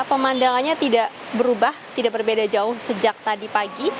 pemandangannya tidak berubah tidak berbeda jauh sejak tadi pagi